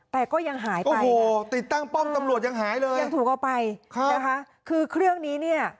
แต่ก็ยังหายไปค่ะยังถูกเอาไปคือเครื่องนี้เนี่ย